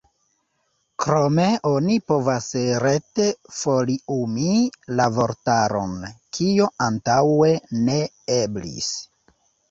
Krome oni povas rete foliumi la vortaron, kio antaŭe ne eblis.